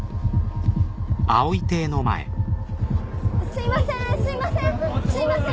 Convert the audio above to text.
すいませんすいません！